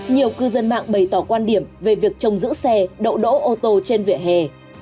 nhiều cư dân mạng bày tỏ quan điểm về việc trồng giữ xe đậu đỗ ô tô trên vỉa hè